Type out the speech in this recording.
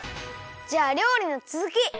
じゃありょうりのつづき！